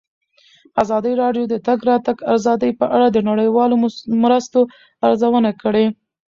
ازادي راډیو د د تګ راتګ ازادي په اړه د نړیوالو مرستو ارزونه کړې.